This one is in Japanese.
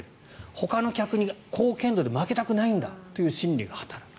ほかの客に貢献度で負けたくないんだという心理が働く。